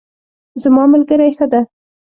زما ملګری ښه ده